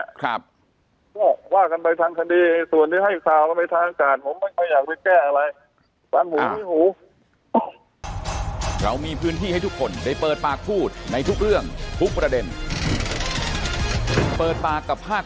พวกว่ากันไปทางคดีส่วนที่ให้ข่าวกันไปทางอาจารย์